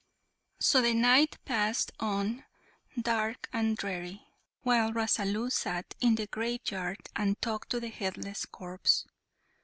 So the night passed on, dark and dreary, while Rasalu sat in the graveyard and talked to the headless corpse.